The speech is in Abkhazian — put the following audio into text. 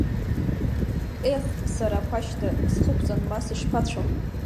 Ех, сара ақәашьда, схықәҵан ма сышԥацәо?